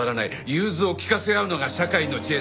融通を利かせ合うのが社会の知恵だ。